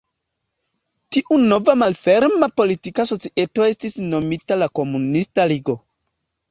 Tiu nova malferma politika societo estis nomita la Komunista Ligo.